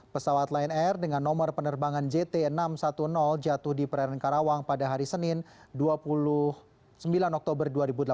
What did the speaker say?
pesawat lion air dengan nomor penerbangan jt enam ratus sepuluh jatuh di perairan karawang pada hari senin dua puluh sembilan oktober dua ribu delapan belas